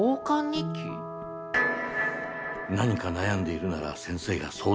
何か悩んでいるなら先生が相談にのるから。